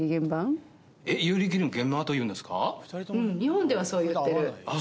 うん日本ではそう言ってるあっ